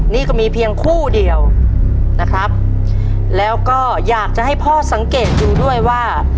นี่ก็มีเพียงคู่เดียวนะครับแล้วก็อยากจะให้พ่อสังเกตดูด้วยว่า